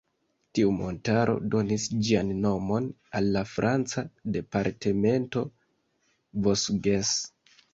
Tiu montaro donis ĝian nomon al la franca departemento Vosges.